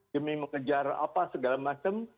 demi mengejar apa segala macam